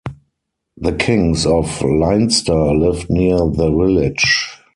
The Kings of Leinster lived near the village.